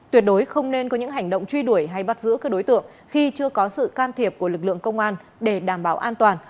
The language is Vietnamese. tuyệt đối không nên có những hành động truy đuổi hay bắt giữ các đối tượng khi chưa có sự can thiệp của lực lượng công an để đảm bảo an toàn